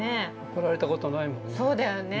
怒られたことないもんね。